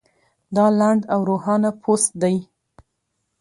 دا لنډ او روښانه پوسټ دی